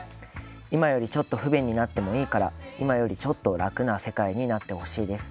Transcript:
今よりちょっと不便になっていいから今よりちょっと楽な世界になってほしいです。